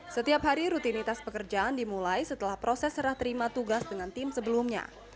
setiap hari rutinitas pekerjaan dimulai setelah proses serah terima tugas dengan tim sebelumnya